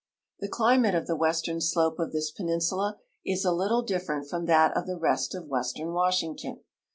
The climate of the western slope of this peninsula is a little different from that of the rest of western Washington.